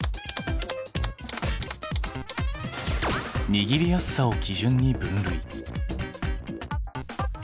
握りやすさを基準に分類。